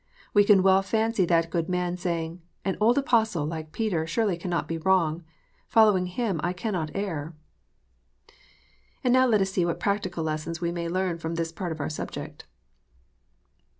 We can well fancy that good man saying, " An old Apostle, like Peter, surely cannot be wrong. Following him, I cannot err." And now let us see what practical lessons we may learn from this part of our subject.